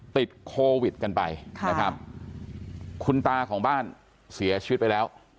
ติดโควิดกันไปนะครับคุณตาของบ้านเสียชีวิตไปแล้ว